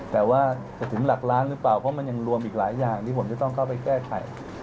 แต่ว่าจะถึงหลักล้านหรือเปล่าเพราะมันยังรวมอีกหลายอย่างที่ผมจะต้องเข้าไปแก้ไข